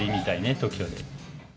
東京で。